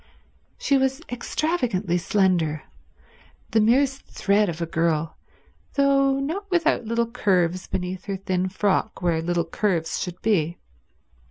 She was extravagantly slender— the merest thread of a girl, though not without little curves beneath her thin frock where little curves should be.